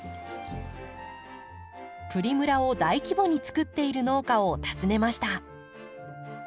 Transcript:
プリムラを大規模につくっている農家を訪ねました。